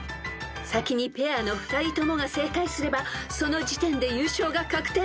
先にペアの２人ともが正解すればその時点で優勝が確定］